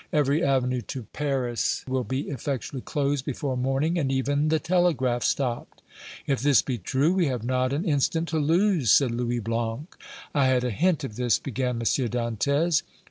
Every avenue to Paris will be effectually closed before morning and even the telegraph stopped!" "If this be true, we have not an instant to lose!" said Louis Blanc. "I had a hint of this," began M. Dantès.